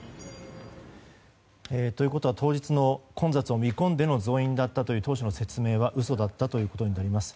ということは当日の混雑を見込んでの増員だったという当初の説明は嘘だったということになります。